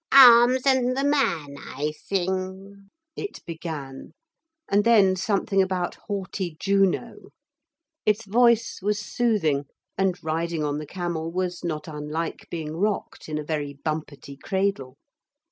'Arms and the man I sing' it began, and then something about haughty Juno. Its voice was soothing, and riding on the camel was not unlike being rocked in a very bumpety cradle.